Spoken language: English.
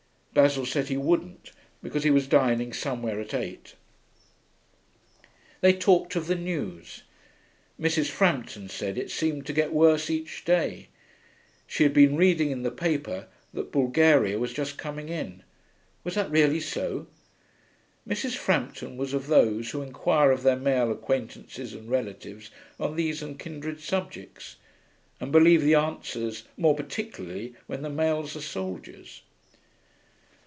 Basil said he wouldn't, because he was dining somewhere at eight. They talked of the news. Mrs. Frampton said it seemed to get worse each day. She had been reading in the paper that Bulgaria was just coming in. Was that really so? Mrs. Frampton was of those who inquire of their male acquaintances and relatives on these and kindred subjects, and believe the answers, more particularly when the males are soldiers.